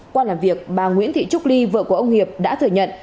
qua làm việc bà nguyễn thị trúc ly vợ của ông hiệp đã thừa nhận